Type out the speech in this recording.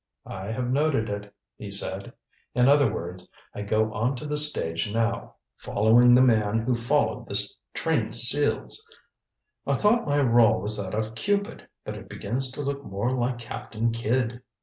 "I have noted it," he said. "In other words, I go on to the stage now following the man who followed the trained seals. I thought my role was that of Cupid, but it begins to look more like Captain Kidd.